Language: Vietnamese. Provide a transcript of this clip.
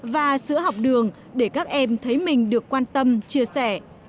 và sữa học đường để các em thấy mình được quan tâm chia sẻ